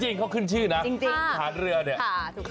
จริงเขาขึ้นชื่อนะจริงฐานเรือเนี่ย